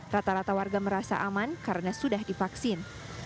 rata rata warga merasa aman karena sudah divaksin